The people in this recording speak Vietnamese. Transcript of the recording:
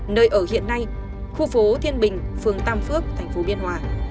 nơi ở hiện nay khu phố thiên bình phường tam phước tp biên hòa